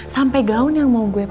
sampai gaun yang mau gue